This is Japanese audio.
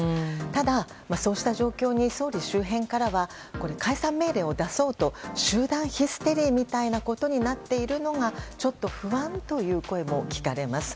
ただ、そうした状況に総理周辺からは解散命令を出そうと集団ヒステリーみたいなことになっているのがちょっと不安という声も聞かれます。